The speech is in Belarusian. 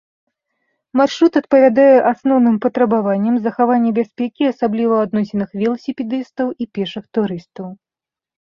Маршрут адпавядае асноўным патрабаванням захавання бяспекі, асабліва ў адносінах веласіпедыстаў і пешых турыстаў.